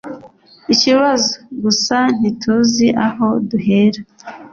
Ikibazo gusa ntituzi aho duhera